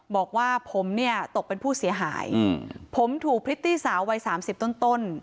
บอกว่าผมตกเป็นผู้เสียหายผมถูกพฤติสาววัย๓๐ต้น